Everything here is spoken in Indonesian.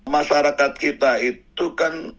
masyarakat kita itu kan